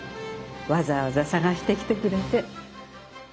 わざわざ探してきてくれて。